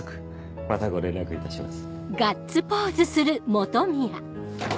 またご連絡いたします。